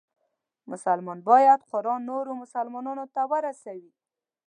مسلمان باید قرآن نورو مسلمانانو ته ورسوي.